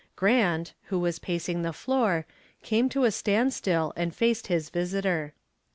Grant, who was pacing the floor, came to a standstill and faced his visitor.